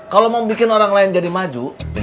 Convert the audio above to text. kalau mau bikin orang lain jadi maju